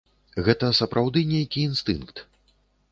Гэта сапраўды нейкі інстынкт.